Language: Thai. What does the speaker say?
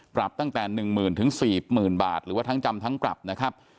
ปรับตั้งแต่๑๐๐๐๔๐๐๐บาทหรือว่าทั้งจำทั้งปรับนะครับ